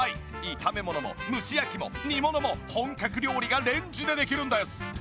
炒め物も蒸し焼きも煮物も本格料理がレンジでできるんです！